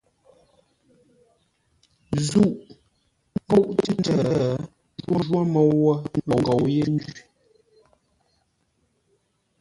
Zûʼ, ə́ nkóʼ tʉ́ ndə̂ ńjwó môu wə̂, ə́ ngou yé ńjwí.